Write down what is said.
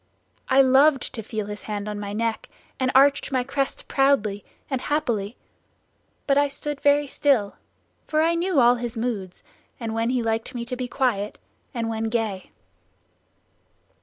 I loved to feel his hand on my neck, and arched my crest proudly and happily; but I stood very still, for I knew all his moods, and when he liked me to be quiet, and when gay.